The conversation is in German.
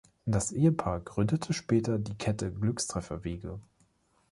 Das Ehepaar gründete später die Kette „Glückstreffer-Wege“.